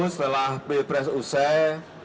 setelah pilpres usai